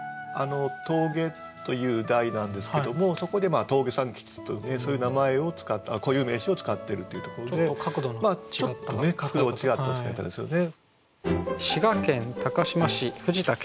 「峠」という題なんですけどもそこで峠三吉というねそういう名前を固有名詞を使ってるというところでちょっと角度が違った使い方ですよね。